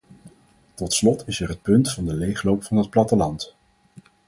Tot slot is er het punt van de leegloop van het platteland.